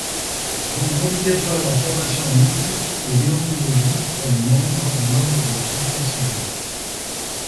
Rendre obligatoire la formation en éthique et déontologie pour les membres d'un ordre professionnel.